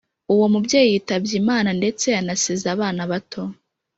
Uwo mubyeyi yitabye Imana ndetse yanasize abana bato